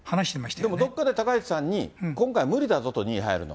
でもどっかで高市さんに、今回無理だぞと、２位入るの。